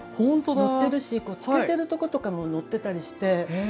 載ってるし漬けてるとことかも載ってたりして。